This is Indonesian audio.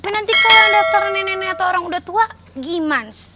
nanti kalau ada yang daftar nenek nenek atau orang udah tua gimans